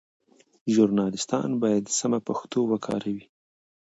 ژورنالیستان باید سمه پښتو وکاروي.